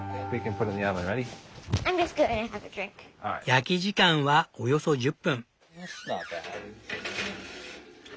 焼き時間はおよそ１０分。